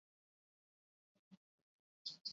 Hagitz ederra da hori